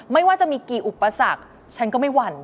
ไม่ว่าจะมีกี่อุปสรรคฉันก็ไม่หวั่น